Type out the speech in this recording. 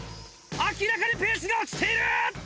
明らかにペースが落ちている！